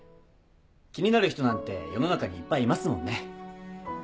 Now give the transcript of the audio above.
気になる人なんて世の中にいっぱいいますもんね。